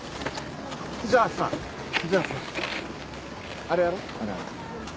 じゃあさじゃあさあれやろうあれあれ。